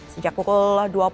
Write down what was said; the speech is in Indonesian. sejak pukul dua puluh